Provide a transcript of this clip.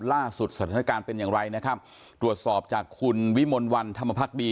สถานการณ์เป็นอย่างไรนะครับตรวจสอบจากคุณวิมลวันธรรมพักดี